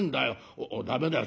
駄目だよ